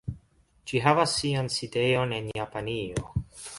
Ĝi havas sian sidejon en Japanio.